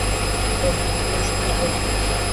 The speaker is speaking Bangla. প্রাচীন হিব্রুরা স্বর্গকে গ্রাহ্য করিত না।